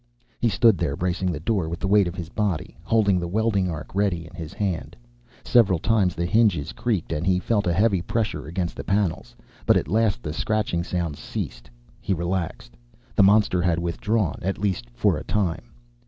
He stood there, bracing the door with the weight of his body, holding the welding arc ready in his hand. Several times the hinges creaked, and he felt a heavy pressure against the panels. But at last the scratching sounds ceased. He relaxed. The monster had withdrawn, at least for a time.